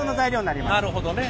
なるほどね。